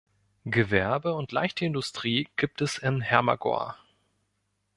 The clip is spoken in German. Gewerbe und leichte Industrie gibt es in Hermagor.